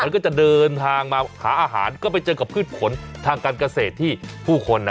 มันก็จะเดินทางมาหาอาหารก็ไปเจอกับพืชผลทางการเกษตรที่ผู้คนอ่ะ